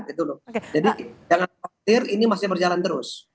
jadi jangan khawatir ini masih berjalan terus